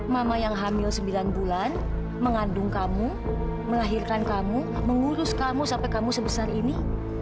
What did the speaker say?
mama yang hamil sembilan bulan mengandung kamu melahirkan kamu mengurus kamu sampai kamu sebesar ini